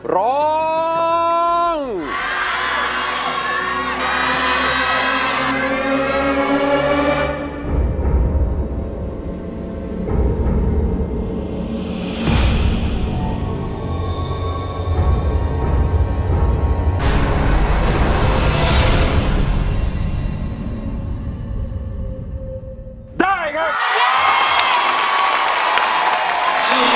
ต้องพาสนบรรย์